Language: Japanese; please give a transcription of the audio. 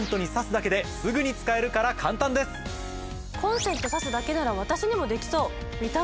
コンセント挿すだけなら私にもできそう。